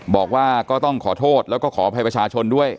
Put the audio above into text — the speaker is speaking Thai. บอกว่าก็ต้องขอโทษแล้วก็ขออภัยประชาชนด้วย